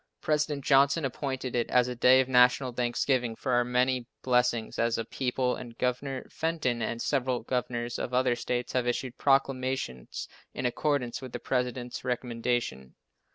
President Johnson appointed it as a day of national thanksgiving for our many blessings as a people, and Governor Fenton and several governors of other states have issued proclamations in accordance with the President's recommendation.